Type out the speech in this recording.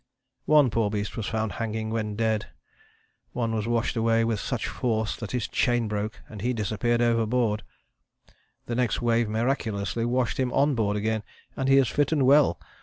One poor beast was found hanging when dead; one was washed away with such force that his chain broke and he disappeared overboard; the next wave miraculously washed him on board again and he is fit and well.